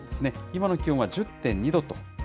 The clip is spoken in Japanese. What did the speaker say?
今の気温は１０．２度と。